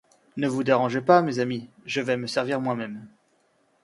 Ne vous dérangez pas, mes amis ; je vais me servir moi-même.